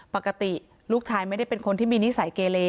ปกติลูกชายไม่ได้เป็นคนที่มีนิสัยเกเล